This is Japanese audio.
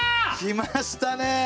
きましたね。